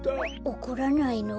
おこらないの？